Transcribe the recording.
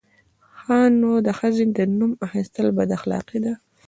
_ښه نو، د ښځې د نوم اخيستل بد اخلاقي ده!